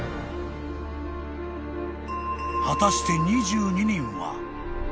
［果たして２２人は？］